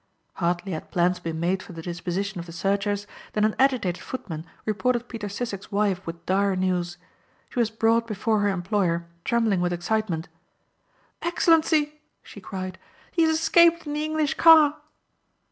Hardly had plans been made for the disposition of the searchers than an agitated footman reported Peter Sissek's wife with dire news. She was brought before her employer trembling with excitement. "Excellency," she cried, "He has escaped in the English car."